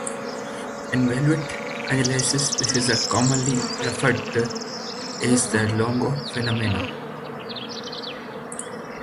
In wavelet analysis, this is commonly referred to as the Longo phenomenon.